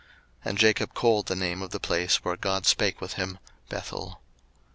01:035:015 And Jacob called the name of the place where God spake with him, Bethel.